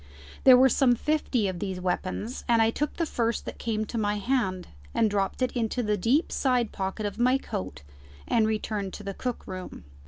There were some fifty of these weapons, and I took the first that came to my hand and dropped it into the deep side pocket of my coat and returned to the cook room.